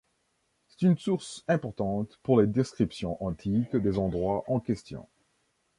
C'est une source importante pour les descriptions antiques des endroits en question.